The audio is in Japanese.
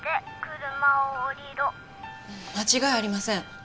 間違いありません。